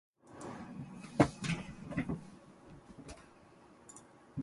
You can probably think of many more.